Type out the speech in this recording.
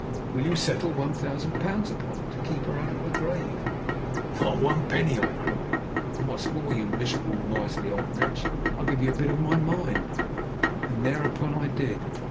"Will you settle one thousand pounds upon her, to keep her out of her grave?" "Not one penny!" I cried: "and, what's more, you miserable, miserly old wretch, I'll give you a bit of my mind." And thereupon I did!